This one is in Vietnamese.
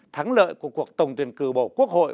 thắng lợi của cuộc tổng tuyển cử bầu quốc hội